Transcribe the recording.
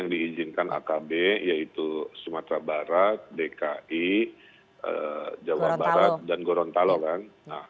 diizinkan akb yaitu sumatera barat dki jawa barat dan gorontalo kan